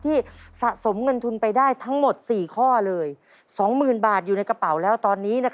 ที่สะสมเงินทุนไปได้ทั้งหมดสี่ข้อเลยสองหมื่นบาทอยู่ในกระเป๋าแล้วตอนนี้นะครับ